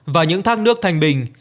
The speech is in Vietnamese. và những thác nước thanh bình